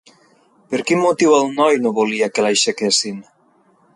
Per quin motiu el noi no volia que l'aixequessin?